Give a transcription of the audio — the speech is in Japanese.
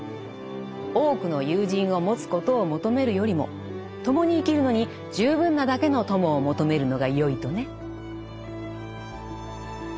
多くの友人を持つことを求めるよりも共に生きるのに十分なだけの友を求めるのがよいとね。